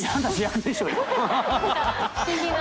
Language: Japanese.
不思議な。